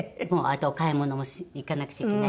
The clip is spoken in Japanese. あとお買い物も行かなくちゃいけないし。